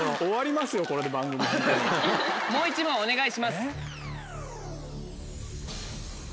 もう１問お願いします。